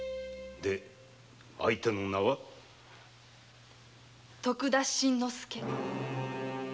で相手の名は？徳田新之助。